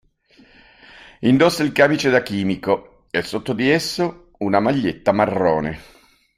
Indossa il camice da chimico, e sotto di esso una maglietta marrone.